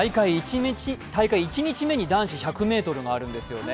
大会１日目に男子１００ｍがあるんですよね。